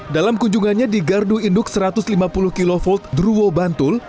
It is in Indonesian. dalam kunjungannya di gardu induk satu ratus lima puluh kv druwo bantul